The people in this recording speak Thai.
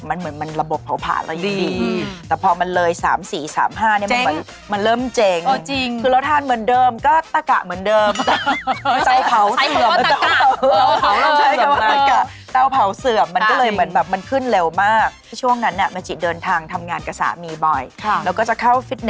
มันเหมือนระบบเผาผลาญแล้วอยู่ดี